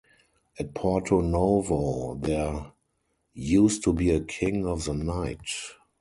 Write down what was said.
At Porto Novo there used to be a King of the Night.